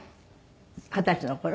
二十歳の頃？